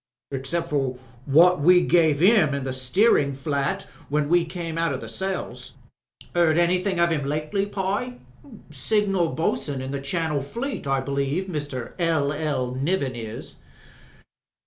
"Excep'for what we gave him in the steerin' flat when we came out o' cells. 'Eard anything of 'im lately, Pye?" "Signal Boatswain in the Channel Fleet, I believe — Mr. L. li. Niven is."